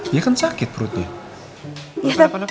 iya kan sakit perutnya